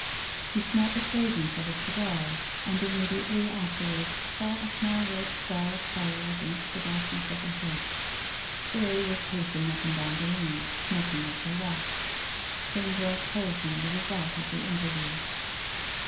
He smelt the fragrance of a cigar, and immediately afterwards saw a small red star of fire against the darkness of the hedge. Graye was pacing up and down the lane, smoking as he walked. Springrove told him the result of the interview.